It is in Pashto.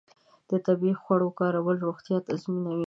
د طبیعي خوړو کارول روغتیا تضمینوي.